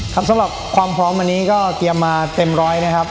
สำหรับความพร้อมวันนี้ก็เตรียมมาเต็มร้อยนะครับ